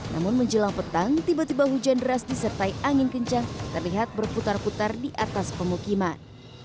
namun menjelang petang tiba tiba hujan deras disertai angin kencang terlihat berputar putar di atas pemukiman